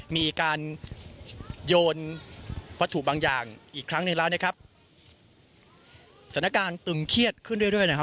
มีการโยนวัตถุบางอย่างอีกครั้งหนึ่งแล้วนะครับสถานการณ์ตึงเครียดขึ้นเรื่อยเรื่อยนะครับ